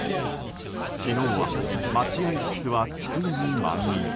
昨日は待合室は常に満員。